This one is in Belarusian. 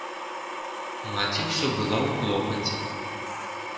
Маці ўсё была ў клопаце.